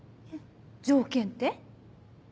条件って？